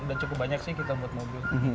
cukup banyak sih kita buat mobil